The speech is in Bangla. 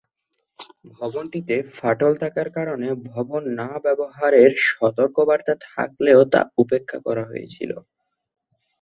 ভবনটিতে ফাটল থাকার কারণে ভবন না ব্যবহারের সতর্কবার্তা থাকলেও তা উপেক্ষা করা হয়েছিল।